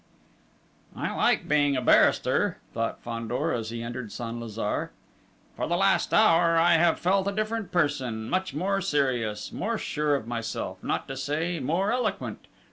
"I like being a barrister," thought Fandor, as he entered Saint Lazare. "For the last hour I have felt a different person, much more serious, more sure of myself, not to say, more eloquent!...